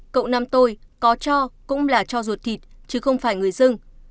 cậu nam tôi có cho cũng là cho ruột thịt chứ không phải người dưng